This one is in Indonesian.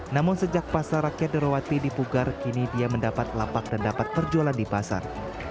namun sejak pasar rakyat darawati dipugar kini dia mendapat lapak dan dapat perjualan di pasar